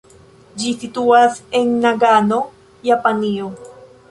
Ĝi situas en Nagano, Japanio.